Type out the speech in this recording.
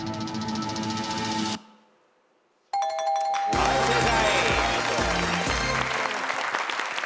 はい正解。